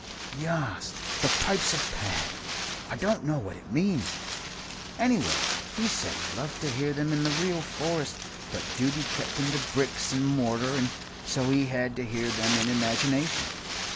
"Yus. 'The Pipes of Pan.' I don't know what it means. Anyway, he said he'd love to hear them in the real forest, but duty kept him to bricks and mortar and so he had to hear them in imagination.